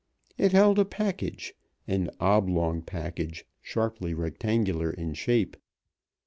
It held a package an oblong package, sharply rectangular in shape.